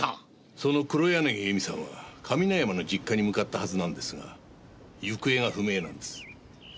その黒柳恵美さんは上山の実家に向かったはずなんですが行方が不明なんです。